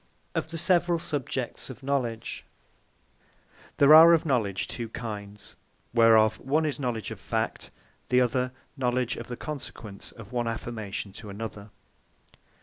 OF THE SEVERALL SUBJECTS OF KNOWLEDGE There are of KNOWLEDGE two kinds; whereof one is Knowledge Of Fact: the other Knowledge Of The Consequence Of One Affirmation To Another.